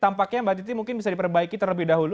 tampaknya mbak titi mungkin bisa diperbaiki terlebih dahulu